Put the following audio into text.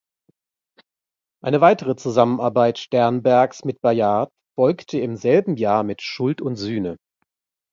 Eine weitere Zusammenarbeit Sternbergs mit Ballard folgte im selben Jahr mit "Schuld und Sühne".